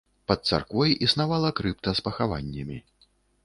Пад царквой існавала крыпта з пахаваннямі.